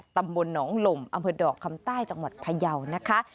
ตำบลหนองลมอำเภอดอกคำใต้จังหวัดพยาวนะคะ